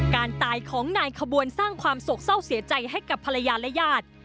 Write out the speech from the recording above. การตายของนายขบวนสร้างความโศกเศร้าเสียใจให้กับภรรยาและญาติ